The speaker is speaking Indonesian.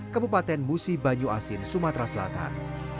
kabupaten musi banyu asin sumatera selatan